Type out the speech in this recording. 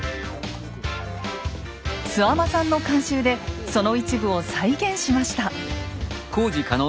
諏訪間さんの監修でその一部を再現しました。